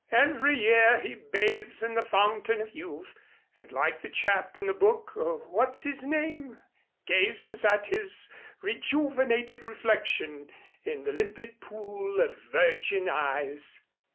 Every year he bathes in the Fountain of Youth, and like the chap in the book what's his name? gazes at his rejuvenated reflection in the limpid pool of virgin eyes.